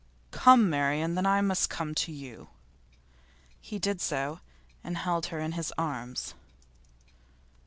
'Come, Marian! Then I must come to you.' He did so and held her in his arms.